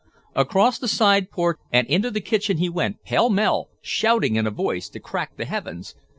Across the side porch and into the kitchen he went, pell mell, shouting in a voice to crack the heavens.